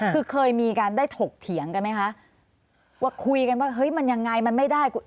คือเคยมีการได้ถกเถียงกันไหมคะว่าคุยกันว่าเฮ้ยมันยังไงมันไม่ได้